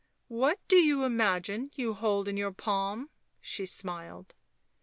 " What do you imagine you hold in your palm 1" she smiled.